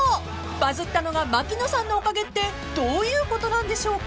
［バズったのが槙野さんのおかげってどういうことなんでしょうか？］